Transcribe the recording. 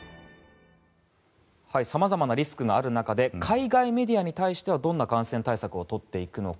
様々なリスクがある中で海外メディアに対してはどんな感染対策を取っていくのか。